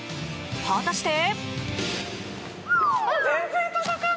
果たして？